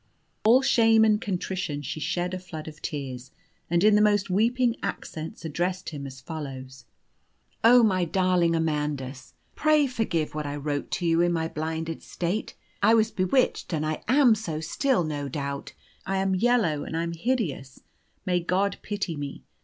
All shame and contrition, she shed a flood of tears, and in the most weeping accents addressed him as follows: "Oh, my darling Amandus, pray forgive what I wrote to you in my blinded state! I was bewitched, and I am so still, no doubt. I am yellow, and I'm hideous, may God pity me!